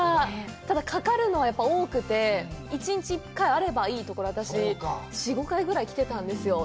ただ、かかるのは多くて、１日１回、あればいいところを私、４５回ぐらい来てたんですよ。